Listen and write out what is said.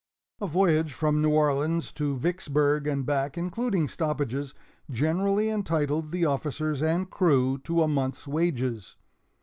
A voyage from New Orleans to Vicksburg and back, including stoppages, generally entitled the officers and crew to a month's wages.